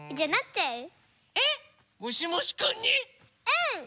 うん！